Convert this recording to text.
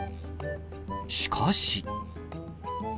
しかし。